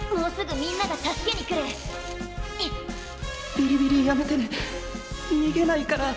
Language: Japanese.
ビリビリやめてね逃げないから。